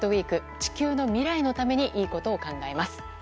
地球の未来のためにいいことを考えます。